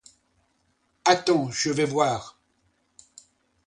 Attends, je vais voir.